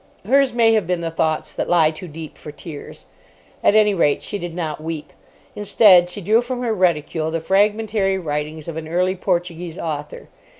Hers may have been the thoughts that lie too deep for tears. At any rate, she did not weep. Instead, she drew from her reticule the fragmentary writings of an early Portuguese author.